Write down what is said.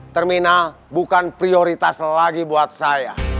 terminal bukan prioritas lagi buat saya